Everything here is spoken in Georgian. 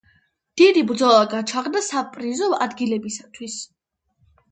დიდი ბრძოლა გაჩაღდა საპრიზო ადგილებისათვის.